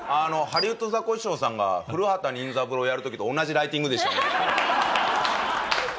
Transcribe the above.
ハリウッドザコシショウさんが古畑任三郎をやる時と同じライティングでしたね。